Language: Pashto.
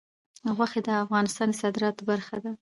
غوښې د افغانستان د صادراتو برخه ده.